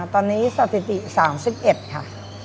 ตอนนี้สถิติ๓๑ค่ะ